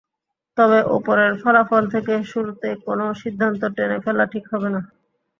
তবে ওপরের ফলাফল থেকে শুরুতেই কোনো সিদ্ধান্ত টেনে ফেলা ঠিক হবে না।